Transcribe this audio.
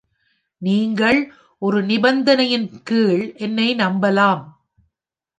நீங்கள் ஒரு நிபந்தனையின் கீழ் என்னை நம்பலாம்.